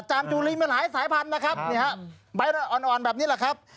จานจูรินมีหลายสายพันนะครับนี่ฮะแบบนี้แหละครับ